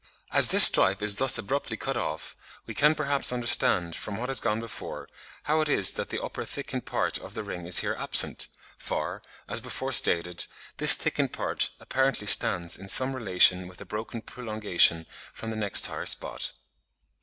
As this stripe is thus abruptly cut off, we can perhaps understand from what has gone before, how it is that the upper thickened part of the ring is here absent; for, as before stated, this thickened part apparently stands in some relation with a broken prolongation from the next higher spot.